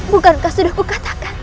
bukankah sudah kukatakan